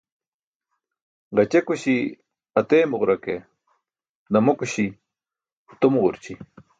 Gaćekuśi ateemġura ke, ḍamokuśi atomġurći.